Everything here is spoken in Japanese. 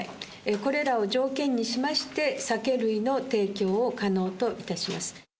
これらを条件にしまして、酒類の提供を可能といたします。